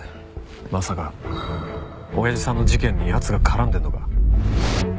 まさか親父さんの事件に奴が絡んでるのか？